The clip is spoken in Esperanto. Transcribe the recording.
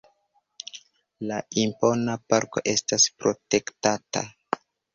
La impona parko estas protektata.